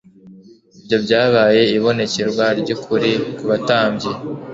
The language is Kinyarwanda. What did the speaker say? Ibyo byabaye ibonekerwa ry'ukuri ku batambyi